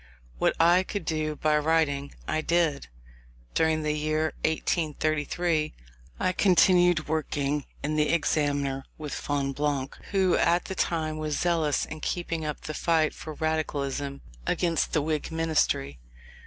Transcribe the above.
What I could do by writing, I did. During the year 1833 I continued working in the Examiner with Fonblanque who at that time was zealous in keeping up the fight for Radicalism against the Whig ministry.